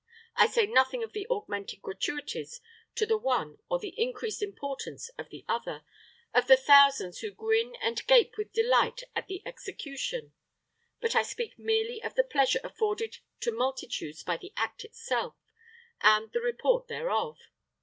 I say nothing of the augmented gratuities to the one, or the increased importance of the other; of the thousands who grin and gape with delight at the execution; but I speak merely of the pleasure afforded to multitudes by the act itself, and the report thereof.